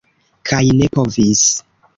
Kaj ne povis.